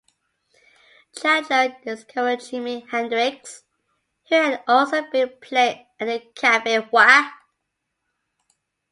Chandler discovered Jimi Hendrix, who had also been playing at the Cafe Wha?